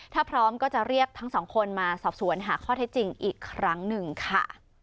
ถ้าพร้อมก็จะเรียกทั้งสองคนมาสอบสวนหาข้อเท็จจริงอีกครั้งหนึ่งค่ะ